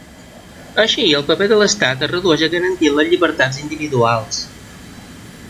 Així el paper de l'estat es redueix a garantir les llibertats individuals.